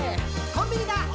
「コンビニだ！